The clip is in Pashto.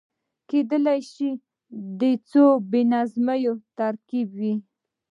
کېدای شي د څو بې نظمیو ترکيب وي.